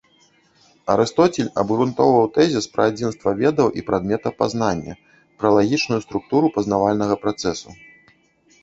Арыстоцель абгрунтоўваў тэзіс пра адзінства ведаў і прадмета пазнання, пра лагічную структуру пазнавальнага працэсу.